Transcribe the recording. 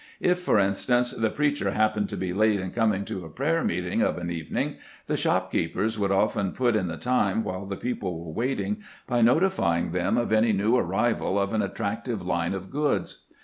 If, for instance, the preacher happened to be late in coming to a prayer meeting of an evening, the shop keepers would often put in the time while the people were waiting by notifying them of any new arrival of an attractive line of goods.